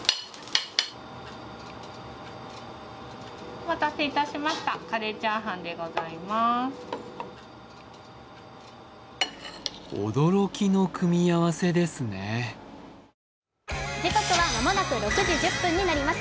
お待たせいたしました、カレーチャーハンでございます。